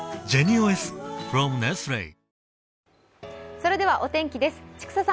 それではお天気です。